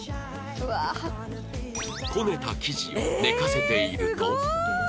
こねた生地を寝かせていると